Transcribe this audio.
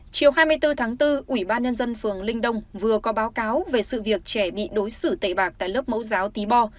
chiều hai mươi bốn tháng bốn ủy ban nhân dân phường linh đông vừa có báo cáo về sự việc trẻ bị đối xử tẩy bạc tại lớp mẫu giáo tí bo